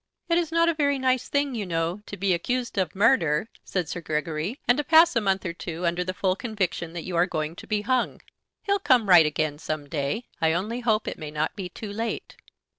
"It is not a very nice thing, you know, to be accused of murder," said Sir Gregory, "and to pass a month or two under the full conviction that you are going to be hung. He'll come right again some day. I only hope it may not be too late."